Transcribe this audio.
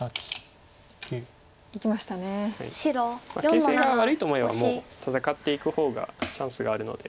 形勢が悪いと思えばもう戦っていく方がチャンスがあるので。